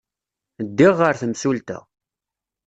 Ddiɣ ɣer temsulta.